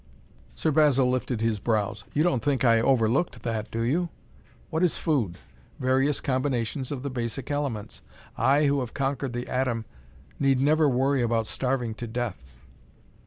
Sir Basil lifted his brows. "You don't think I overlooked that, do you? What is food? Various combinations of the basic elements. I who have conquered the atom need never worry about starving to death."